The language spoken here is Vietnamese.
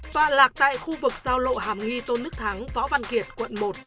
và lạc tại khu vực giao lộ hàm nghi tôn nước thắng võ văn kiệt quận một